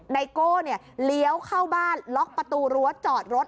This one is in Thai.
ไโก้เลี้ยวเข้าบ้านล็อกประตูรั้วจอดรถ